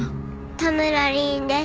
多村凛です。